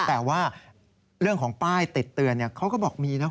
แต่ว่าเรื่องของป้ายติดเตือนเขาก็บอกมีนะ